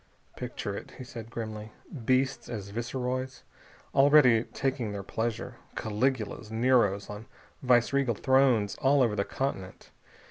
"Picture it," he said grimly. "Beasts as viceroys, already taking their pleasure. Caligulas, Neros, on viceregal thrones all over the continent....